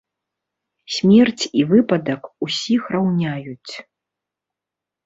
Смерць і выпадак усіх раўняюць.